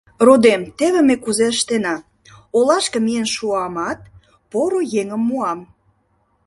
Родем, теве ме кузе ыштена: олашке миен шуамат, поро еҥым муам.